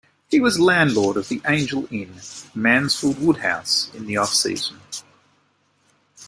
He was landlord of the Angel Inn, Mansfield Woodhouse in the off-season.